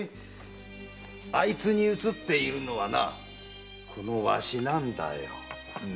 あいつに映っているのはこのわしなんだよ。